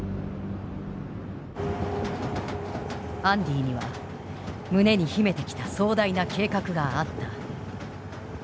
アンディには胸に秘めてきた壮大な計画があった。